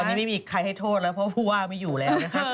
ตอนนี้ไม่มีอีกใครให้โทษแล้วเพราะว่าไม่อยู่แล้ว